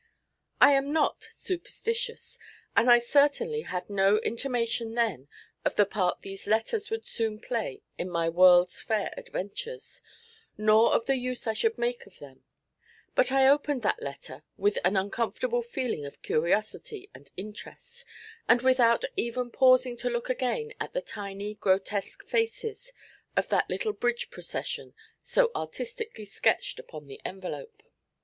I am not superstitious, and I certainly had no intimation then of the part these letters would soon play in my World's Fair adventures, nor of the use I should make of them; but I opened that letter with an uncomfortable feeling of curiosity and interest, and without even pausing to look again at the tiny grotesque faces of that little bridge procession so artistically sketched upon the envelope.